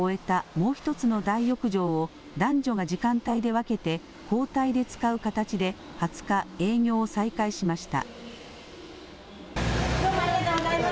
もう１つの大浴場を男女が時間帯で分けて交代で使う形で２０日、営業を再開しました。